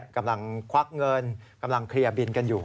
ควักเงินกำลังเคลียร์บินกันอยู่